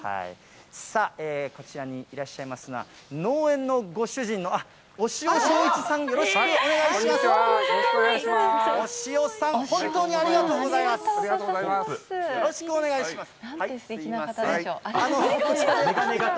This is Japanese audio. さあ、こちらにいらっしゃいますのは、農園のご主人の押尾しょういちさん、よろしくお願いします。